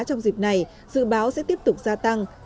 trong dịp này dự báo sẽ tiếp tục gia tăng